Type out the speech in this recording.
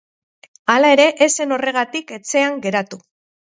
Hala ere, ez zen horregatik etxean geratu.